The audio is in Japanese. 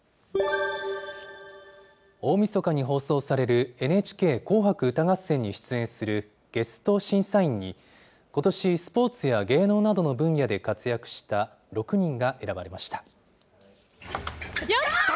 大みそかに放送されるＮＨＫ紅白歌合戦に出演するゲスト審査員に、ことし、スポーツや芸能などの分野で活躍した６人が選ばれました。